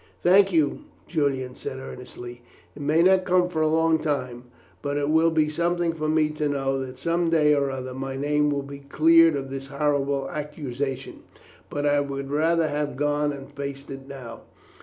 "Thank you," Julian said earnestly. "It may not come for a long time, but it will be something for me to know that some day or other my name will be cleared of this horrible accusation; but I would rather have gone and faced it out now."